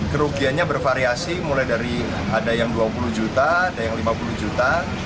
kerugiannya bervariasi mulai dari ada yang dua puluh juta ada yang lima puluh juta